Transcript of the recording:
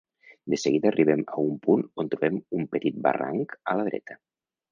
De seguida arribem a un punt on trobem un petit barranc a la dreta.